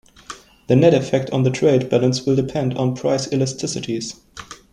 The net effect on the trade balance will depend on price elasticities.